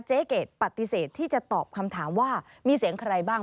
เกรดปฏิเสธที่จะตอบคำถามว่ามีเสียงใครบ้าง